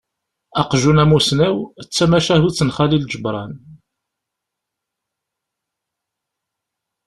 "Aqjun amusnaw", d tamacahut n Xalil Ǧebran.